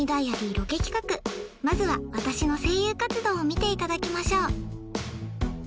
ロケ企画まずは私の声優活動を見ていただきましょう